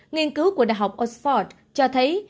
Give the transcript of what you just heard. nghiên cứu của đại học oxford cho thấy